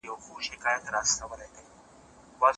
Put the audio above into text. نه په غم کي د ګورم نه د ګوروان وو